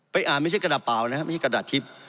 อ่านไม่ใช่กระดาษเปล่านะครับไม่ใช่กระดาษทิพย์